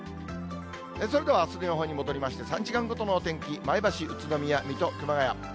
それでは、あすの予報に戻りまして、３時間ごとのお天気、前橋、宇都宮、水戸、熊谷。